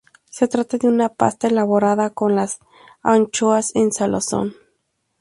Se trata de una pasta elaborada con las anchoas en salazón.